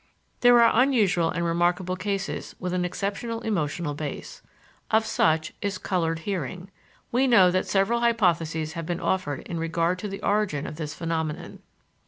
There are unusual and remarkable cases with an exceptional emotional base. Of such is "colored hearing." We know that several hypotheses have been offered in regard to the origin of this phenomenon.